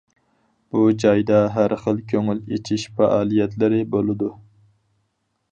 بۇ جايدا ھەر خىل كۆڭۈل ئېچىش پائالىيەتلىرى بولىدۇ.